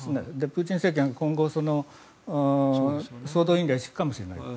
プーチン政権は今後、総動員令を敷くかもしれないと。